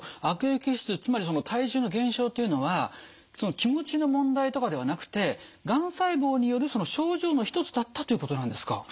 悪液質つまりその体重の減少というのは気持ちの問題とかではなくてがん細胞による症状の一つだったっていうことなんですか。